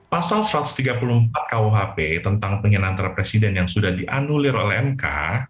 pasal satu ratus tiga puluh empat kuhp tentang penghinaan antara presiden yang sudah dianulir oleh mk